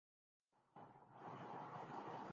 ان جگہوں میں سورج کی روشنی آکر واپس نہیں جاسکتی ۔